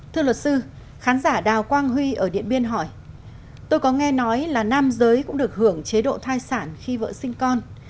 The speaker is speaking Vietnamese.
thưa luật sư khán giả đào quang huy ở điện biên hỏi tôi có nghe nói là nam giới cũng được hưởng chế độ thai sản khi vợ sinh con